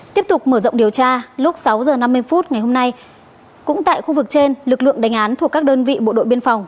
tiếp tục mở rộng điều tra lúc sáu h năm mươi phút ngày hôm nay cũng tại khu vực trên lực lượng đánh án thuộc các đơn vị bộ đội biên phòng